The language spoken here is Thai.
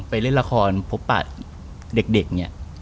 เล่นละครพบปะเด็กเนี่ย